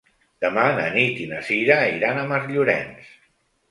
Demà na Nit i na Cira iran a Masllorenç.